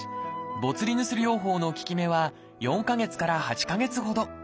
ボツリヌス療法の効き目は４か月から８か月ほど。